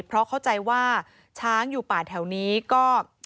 เพราะเข้าใจว่าช้างอยู่ป่าแถวนี้ก็